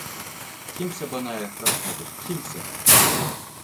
Kimse bana yaklaşmadı, kimse.